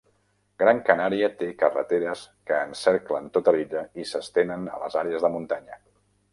Gran Canària té carreteres que encerclen tota l'illa i s'estenen a les àrees de muntanya.